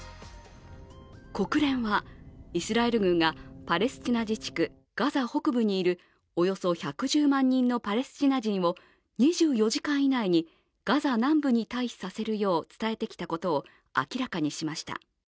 国連は、イスラエル軍がパレスチナ自治区ガザ北部にいるおよそ１１０万人のパレスチナ人を２４時間以内にガザ南部に退避させるよう伝えてきたことを明らかにしました。